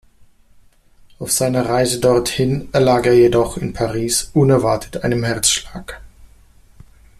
Auf seiner Reise dorthin erlag er jedoch in Paris unerwartet einem Herzschlag.